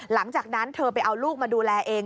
หลังจากนั้นเธอไปเอาลูกมาดูแลเอง